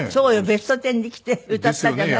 『ベストテン』に来て歌ったじゃない。ですよね。